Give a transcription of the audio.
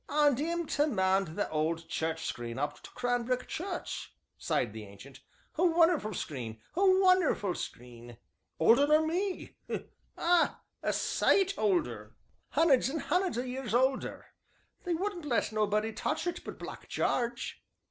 "And 'im to mend th' owd church screen up to Cranbrook Church," sighed the Ancient; "a wunnerful screen, a wunnerful screen! older nor me ah! a sight older hunneds and hunneds o' years older they wouldn't let nobody touch it but Black Jarge."